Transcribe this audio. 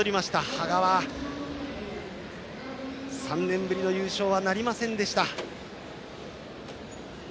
羽賀は、３年ぶりの優勝はなりませんでした。